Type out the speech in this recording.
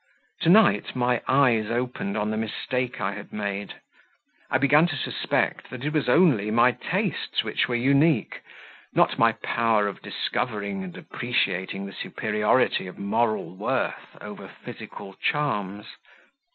To night my eyes opened on the mistake I had made; I began to suspect that it was only my tastes which were unique, not my power of discovering and appreciating the superiority of moral worth over physical charms.